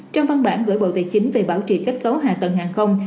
trong văn bản gửi bộ tài chính về bảo trì kết cấu hạ tầng hàng không